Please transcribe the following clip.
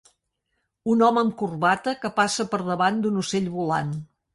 Un home amb corbata que passa per davant d'un ocell volant.